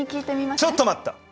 ちょっと待った！